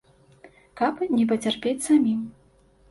Каб не пацярпець самім.